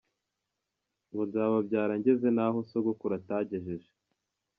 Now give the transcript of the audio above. Ngo nzababyara ngeze n’aho Sogokuru atagejeje.